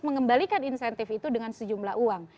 mengembalikan insentif itu dengan sejumlah uang